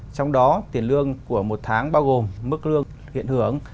trong đó tiền lương của một tháng bao gồm mức lương hiện hưởng